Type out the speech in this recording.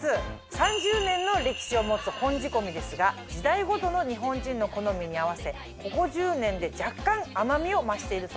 ３０年の歴史を持つ本仕込ですが時代ごとの日本人の好みに合わせここ１０年で若干甘みを増しているそうです。